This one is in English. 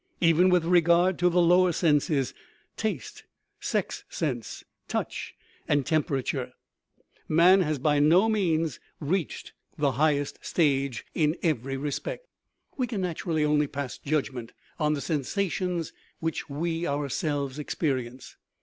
Even with regard to the lower senses taste, sex sense, touch, and tem perature man has by no means reached the highest stage in every respect. 296 KNOWLEDGE AND BELIEF We can naturally only pass judgment on the sen sations which we ourselves experience.